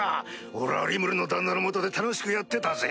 俺はリムルの旦那の下で楽しくやってたぜ。